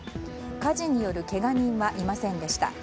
火事によるけが人はいませんでした。